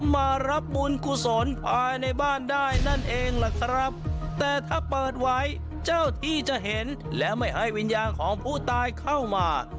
มารับบุญกุศลภายในบ้านได้นั่นเองล่ะครับแต่ถ้าเปิดไว้เจ้าที่จะเห็นและไม่ให้วิญญาณของผู้ตายเข้ามา